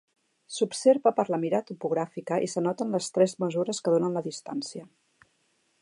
S'observa per la mira topogràfica i s'anoten les tres mesures que donen la distància.